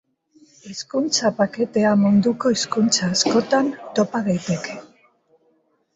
Hizkuntza paketea munduko hizkuntza askotan topa daiteke.